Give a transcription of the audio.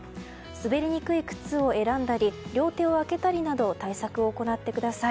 滑りにくい靴を選んだり両手を空けたりなど対策を行ってください。